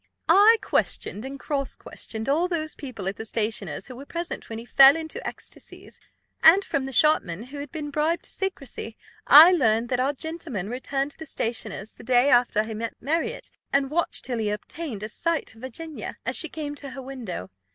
I questioned and cross questioned all those people at the stationer's who were present when he fell into ecstasies; and, from the shopman, who had been bribed to secrecy, I learned that our gentleman returned to the stationer's the day after he met Marriott, and watched till he obtained a sight of Virginia, as she came to her window.